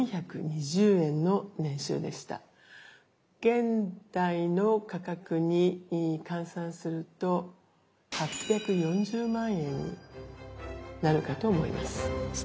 現代の価格に換算すると８４０万円になるかと思います。